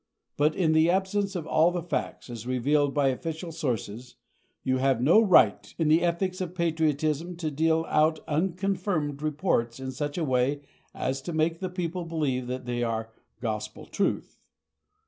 But in the absence of all the facts, as revealed by official sources, you have no right in the ethics of patriotism to deal out unconfirmed reports in such a way as to make people believe that they are gospel truth.